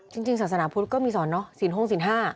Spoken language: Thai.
จริงศาสนาพุทธก็มีสอนสินห้องสินห้า